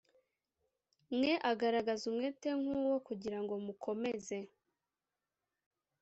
mwe agaragaza umwete nk uwo kugira ngo mukomeze